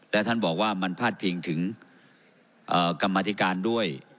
และท่านบอกว่ามันพาดพิงถึงกรรมธิการด้วย